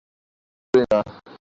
আমি বিশ্বাস করি না।